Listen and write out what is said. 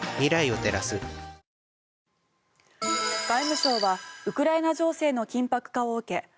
外務省はウクライナ情勢の緊迫化を受け